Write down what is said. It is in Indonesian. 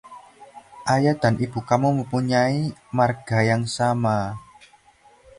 Ayah dan Ibu kamu mempunyai marga yang sama?